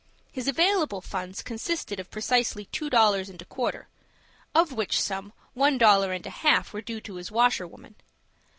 His available funds consisted of precisely two dollars and a quarter; of which sum, one dollar and a half was due to his washerwoman.